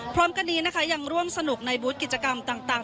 พร้อมกันนี้นะคะยังร่วมสนุกในบูธกิจกรรมต่าง